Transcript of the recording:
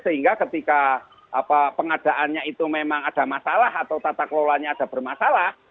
sehingga ketika pengadaannya itu memang ada masalah atau tata kelolanya ada bermasalah